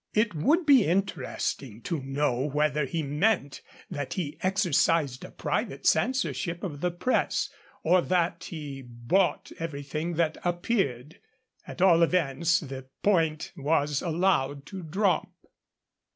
It would be interesting to know whether he meant that he exercised a private censorship of the press, or that he bought everything that appeared. At all events, the point was allowed to drop.